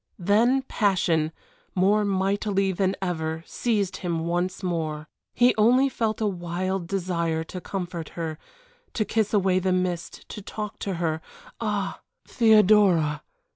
Then passion more mighty than ever seized him once more. He only felt a wild desire to comfort her, to kiss away the mist to talk to her. Ah! "Theodora!"